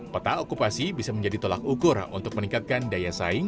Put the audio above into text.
peta okupasi bisa menjadi tolak ukur untuk meningkatkan daya saing